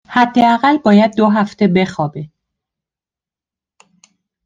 حداقل باید دو هفته بخوابه